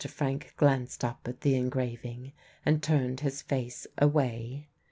Frank glanced up at the engraving and turned his face away.